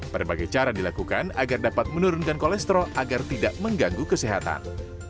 berbagai cara dilakukan agar dapat menurunkan kolesterol agar tidak mengganggu kesehatan